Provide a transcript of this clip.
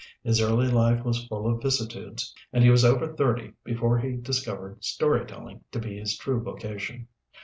His early life was full of vicissitudes, and he was over thirty before he discovered story telling to be his true vocation.